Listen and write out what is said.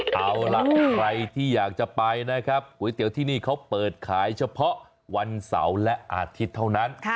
เอาล่ะใครที่อยากจะไปนะครับก๋วยเตี๋ยวที่นี่เขาเปิดขายเฉพาะวันเสาร์และอาทิตย์เท่านั้น